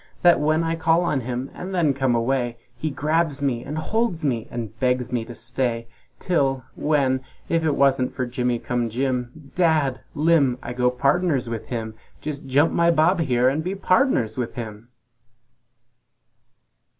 That when I call on him and then come away, He grabs me and holds me and begs me to stay, Till well, if it wasn't for Jimmy cum Jim, Dadd! Limb! I'd go pardners with him! Jes' jump my bob here and be pardners with him!"